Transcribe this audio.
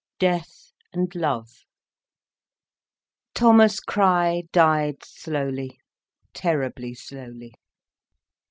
DEATH AND LOVE Thomas Crich died slowly, terribly slowly.